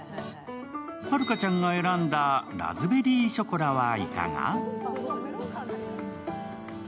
遥ちゃんが選んだラズベリーショコラはいかが？